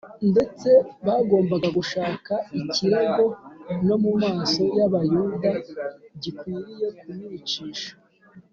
ndetse bagombaga gushaka ikirego no mu maso y’abayuda gikwiriye kumwicisha